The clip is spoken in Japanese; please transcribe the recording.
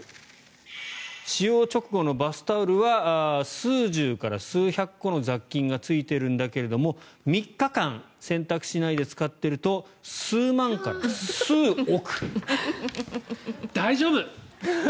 使用直後のバスタオルは数十から数百個の雑菌がついているんだけども３日間、洗濯しないで使っていると大丈夫！